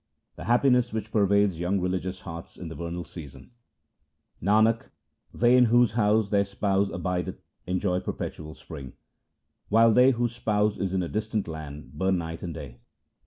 The happiness which pervades young religious hearts in the vernal season :— Nanak, they in whose house their spouse abideth, enjoy perpetual spring, While they whose spouse is in a distant land burn night and day.